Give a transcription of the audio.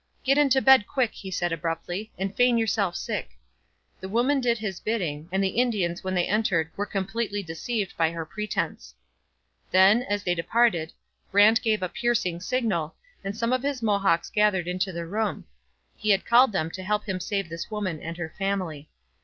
'Get into bed quick,' he said abruptly, 'and feign yourself sick.' The woman did his bidding, and the Indians when they entered were completely deceived by her pretence. Then, as they departed, Brant gave a piercing signal, and some of his Mohawks gathered into the room. He had called them to help him save this woman and her family.